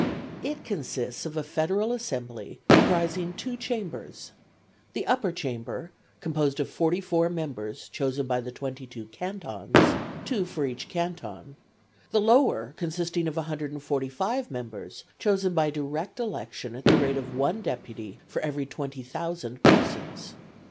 It consists of a federal assembly comprising two Chambers the Upper Chamber composed of forty four members chosen by the twenty two cantons, two for each canton; the Lower consisting of 145 members chosen by direct election at the rate of one deputy for every 20,000 persons.